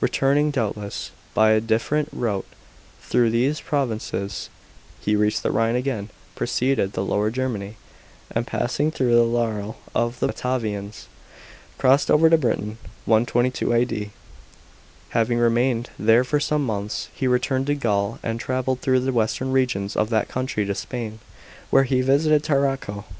Return ing, doubtless by a different route, through these provinces, he reached the Rhine again, proceeded to Lower Germany, and passing throush the lanrl of the Batavians, crossed over to Britain (122 A.D.). Having remained there for some months he returned to Gaul, and 121 134 A.D. JOURNEYS IN THE PROVINCES. 497 travelled through the western regions of that country to Spain, where he visited Tarraco.